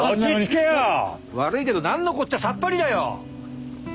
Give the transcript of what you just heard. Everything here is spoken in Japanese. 悪いけど何のこっちゃさっぱりだよ。